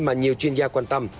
mà nhiều chuyên gia quan tâm